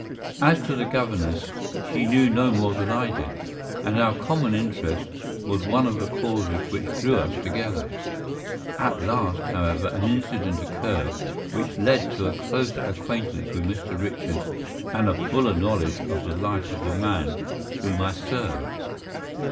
As to the governess, she knew no more than I did, and our common interest was one of the causes which drew us together. At last, however, an incident occurred which led to a closer acquaintance with Mr. Richards and a fuller knowledge of the life of the man whom I served.